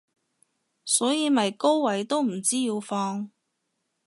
所以咪高位都唔知要放